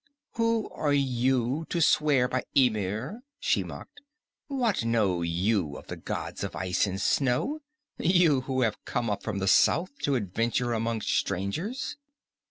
"Who are you to swear by Ymir?" she mocked. "What know you of the gods of ice and snow, you who have come up from the south to adventure among strangers?"